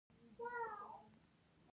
خود نوشت بیا مختصر یادښتونو ته ویل کېږي.